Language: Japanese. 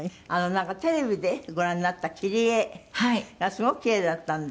「なんかテレビでご覧になった切り絵がすごく奇麗だったんで」